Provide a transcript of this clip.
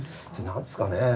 何ですかねえ。